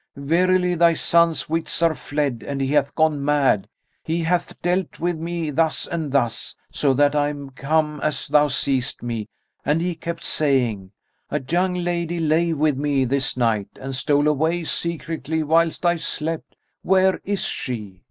Verily, thy son's wits are fled and he hath gone mad, he hath dealt with me thus and thus, so that I am become as thou seest me, and he kept saying, 'A young lady lay with me this night and stole away secretly whilst I slept. Where is she?'